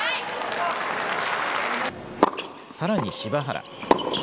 さらに柴原。